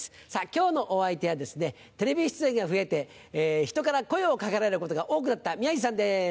今日のお相手はですねテレビ出演が増えてひとから声を掛けられることが多くなった宮治さんです。